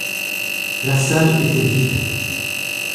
La salle était vide.